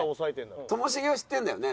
ともしげは知ってるんだよね？